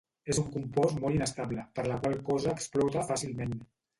És un compost molt inestable per la qual cosa explota fàcilment.